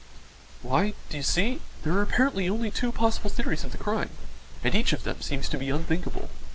"Why, do you see, there are apparently only two possible theories of the crime, and each of them seems to be unthinkable.